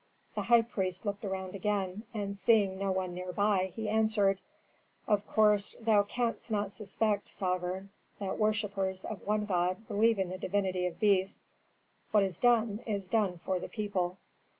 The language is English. The high priest looked around again, and seeing no one near by, he answered, "Of course thou canst not suspect, sovereign, that worshippers of one god believe in the divinity of beasts. What is done is done for the people."